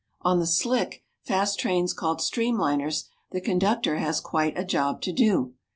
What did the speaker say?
On the slick, fast trains called streamliners the conductor has quite a job to do.